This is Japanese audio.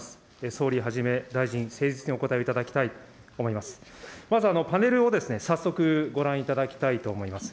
総理はじめ、大臣、誠実にお答えいただきたいと思います。